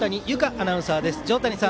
アナウンサーです。